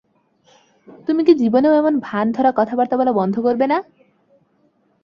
তুমি কি জীবনেও এমন ভান ধরা কথাবার্তা বলা বন্ধ করবে না?